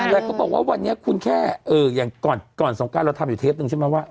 แต่เขาบอกว่าวันนี้คุณแค่อย่างก่อนสงการเราทำอยู่เทปนึงใช่ไหมว่า